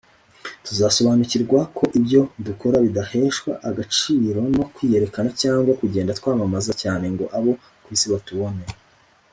tuzasobanukirwa ko ibyo dukora bidaheshwa agaciro no kwiyerekana cyangwa kugenda tubyamamaza cyane ngo abo ku isi batubone